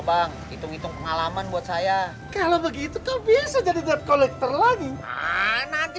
bang hitung hitung pengalaman buat saya kalau begitu kau biasa jadi debt collector lagi nanti